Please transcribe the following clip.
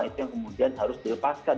itu yang kemudian harus dilepaskan